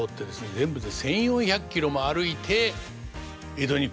全部で１，４００キロも歩いて江戸に来るんですけど。